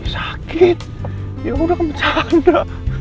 sakit ya aku udah kebencana